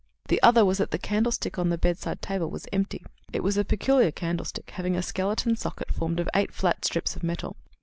"The other was that the candlestick on the bedside table was empty. It was a peculiar candlestick, having a skeleton socket formed of eight flat strips of metal.